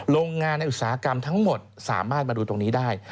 โรงงานในอุตสาหกรรมทั้งหมดสามารถมาดูตรงนี้ได้